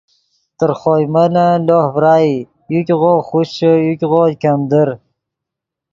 تر خوئے ملن لوہ ڤرائی یوګغو خوشچے یوګغو ګیمدر